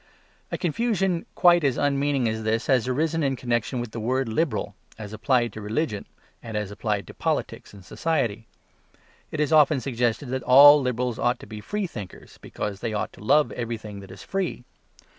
A confusion quite as unmeaning as this has arisen in connection with the word "liberal" as applied to religion and as applied to politics and society. It is often suggested that all Liberals ought to be freethinkers, because they ought to love everything that is free.